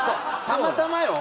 たまたまよ。